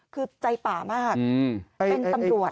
คือใจป่ามากเป็นตำรวจ